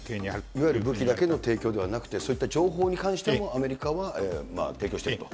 いわゆる武器だけの提供ではなくて、そういった情報に関してもアメリカは提供してると。